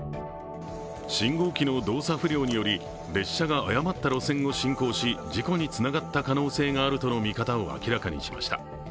信号機の動作不良により列車が誤った路線を進行し事故につながった可能性があるとの見方を明らかにしました。